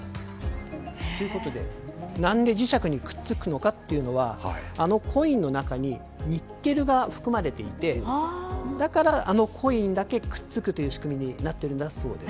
何で磁石にくっつくのかというのはあのコインの中にニッケルが含まれていてだから、あのコインだけくっつくという仕組みだそうです。